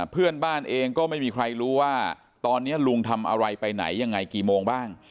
เพื่อนบ้านเองก็ไม่มีใครรู้ว่าตอนนี้ลุงทำอะไรไปไหนยังไงกี่โมงบ้าง